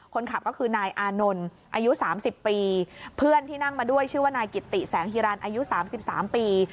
คนขับก็คือนายอานนท์อายุ๓๐ปีเพื่อนที่นั่งมาด้วยชื่อว่านายกิตติแสงฮิรันอายุ๓๓ปี